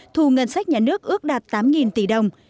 thu ngân sách nhà nước ước đạt tám tỷ đồng